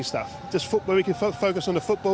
kita bisa fokus pada pertandingan di sepak bola